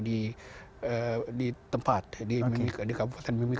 di tempat di kabupaten bumi